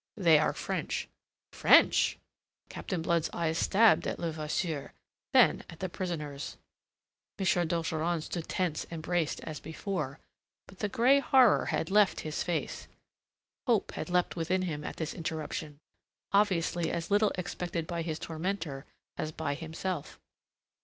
They are French." "French!" Captain Blood's light eyes stabbed at Levasseur, then at the prisoners. M. d'Ogeron stood tense and braced as before, but the grey horror had left his face. Hope had leapt within him at this interruption, obviously as little expected by his tormentor as by himself.